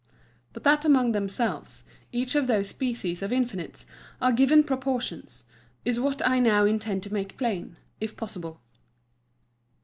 But that among themselves, each of those Species of Infinites are in given Proportions, is what I now intend to make plain, if possible.